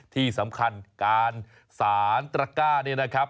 ที่สำคัญการสารตระก้าเนี่ยนะครับ